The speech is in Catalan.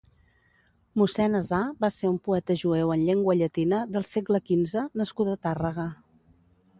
Mossèn Azà va ser un poeta jueu en llengua llatina del segle quinze nascut a Tàrrega.